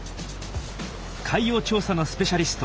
海洋調査のスペシャリスト